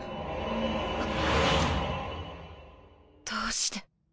どうして？